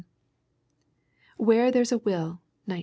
Where There's a Will, 1912.